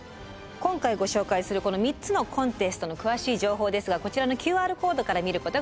今回ご紹介するこの３つのコンテストの詳しい情報ですがこちらのＱＲコードから見ることができます。